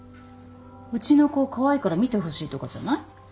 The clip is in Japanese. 「うちの子カワイイから見てほしい」とかじゃない？